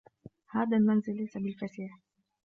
هذا المنزل ليس بالفسيح.